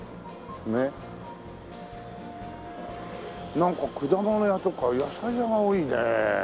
なんか果物屋とか野菜屋が多いね。